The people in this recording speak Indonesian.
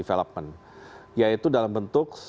development yaitu dalam bentuk